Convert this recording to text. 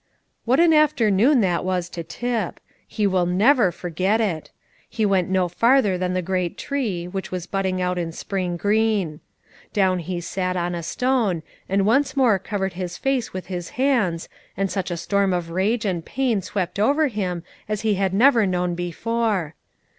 What an afternoon that was to Tip! he will never forget it. He went no farther than the great tree, which was budding out in spring green. Down he sat on a stone, and once more covered his face with his hands, and such a storm of rage and pain swept over him as he had never known before.